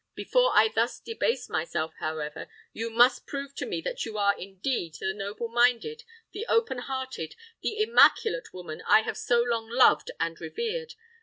Before I thus debase myself, however, you must prove to me that you are indeed the noble minded—the open hearted—the immaculate woman I have so long loved and revered!